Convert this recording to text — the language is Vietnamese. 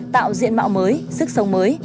tạo diện mạo mới sức sống mới